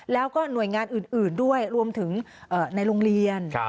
แล้วก็หน่วยงานอื่นด้วยรวมถึงในโรงเรียน